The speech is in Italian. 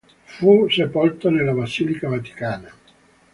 Fu sepolto nella Basilica Vaticana.